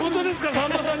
さんまさん。